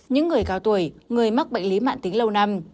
những người cao tuổi người mắc bệnh lý mạng tính lâu năm